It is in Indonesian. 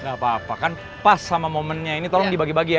gapapa kan pas sama momennya ini tolong dibagi bagi ya